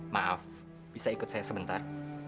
maaf bisa ikut saya sebentar